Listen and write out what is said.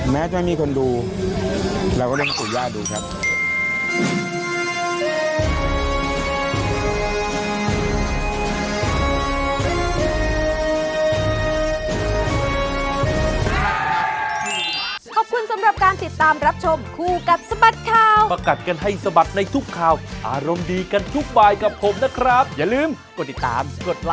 แม้จะมีคนดูเราก็ต้องขุย่าดูครับ